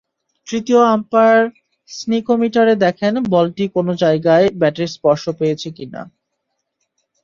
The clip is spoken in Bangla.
তৃতীয় আম্পায়ার স্নিকোমিটারে দেখেন বলটি কোনো জায়গায় ব্যাটের স্পর্শ পেয়েছে কিনা।